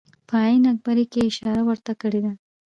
په آیین اکبري کې اشاره ورته کړې ده.